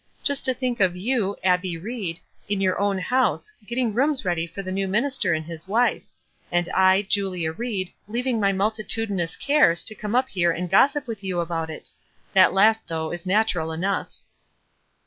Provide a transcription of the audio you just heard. "Just to think of you, Abbie Ried, in your own house, getting rooms ready for the new minister and his wife; and I, Julia Ried, leav ing my multitudinous cares to come up here and gossip with you about it I That last, though, is natural enough."